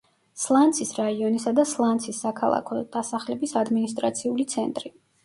სლანცის რაიონისა და სლანცის საქალაქო დასახლების ადმინისტრაციული ცენტრი.